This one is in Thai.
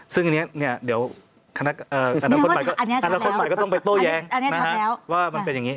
ซึ่งเดี๋ยวอันละคนใหม่ก็ต้องไปโต้แย้งว่ามันเป็นอย่างนี้